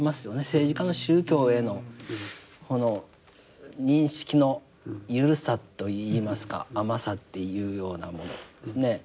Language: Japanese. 政治家の宗教へのこの認識の緩さといいますか甘さっていうようなものですね。